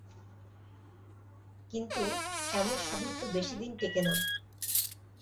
কিন্তু এমন সাধুত্ব বেশিদিন টেঁকে না।